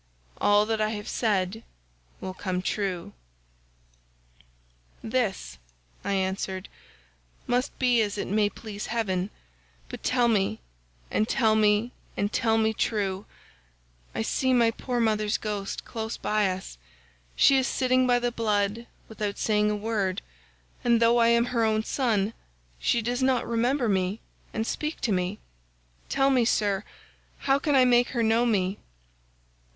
All that I have said will come true].'91 "'This,' I answered, 'must be as it may please heaven, but tell me and tell me and tell me true, I see my poor mother's ghost close by us; she is sitting by the blood without saying a word, and though I am her own son she does not remember me and speak to me; tell me, Sir, how I can make her know me.